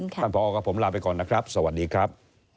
ผอกับผมลาไปก่อนนะครับสวัสดีครับ